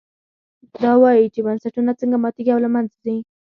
دا وایي چې بنسټونه څنګه ماتېږي او له منځه ځي.